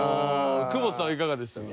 久保田さんいかがでしたか？